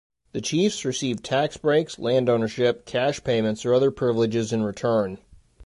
The chiefs received tax breaks, land ownership, cash payments, or other privileges in return.